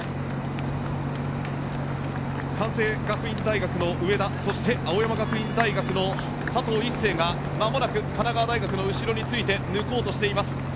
関西学院大学の上田そして青山学院大学の佐藤一世がまもなく神奈川大学の後ろにつき抜こうとしています。